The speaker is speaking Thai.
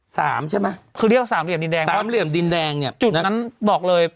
ใช่ไหมคือเรียกว่าสามเหลี่ยมดินแดงสามเหลี่ยมดินแดงเนี่ยจุดนั้นบอกเลย